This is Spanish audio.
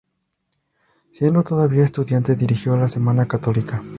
Siendo todavía estudiante dirigió "La Semana Católica".